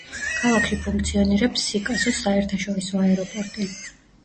ქალაქში ფუნქციონირებს სიკასოს საერთაშორისო აეროპორტი.